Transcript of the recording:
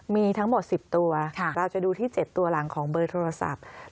มีทั้งหมด๑๐ตัวเราจะดูที่๗ตัวหลังของเบอร์โทรศัพท์